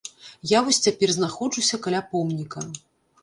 Я вось цяпер знаходжуся каля помніка.